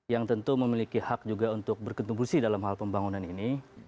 yang tentu memiliki hak juga untuk berkontribusi dalam hal pembangunan ini